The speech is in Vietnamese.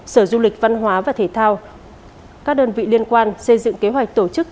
sở du lịch văn hóa và thể thao các đơn vị liên quan xây dựng kế hoạch tổ chức